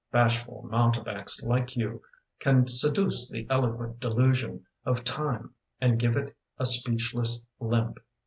Bashful mountebanks like you Can seduce the eloquent delusion Of time and give it a speechless limp.